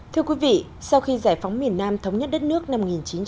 thưa quý vị sau khi giải phóng miền nam thống nhất đất nước năm một nghìn chín trăm bảy mươi